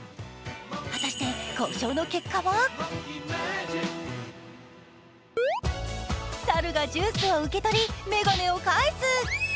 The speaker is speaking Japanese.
果たして、交渉の結果は？猿がジュースを受け取り、眼鏡を返す。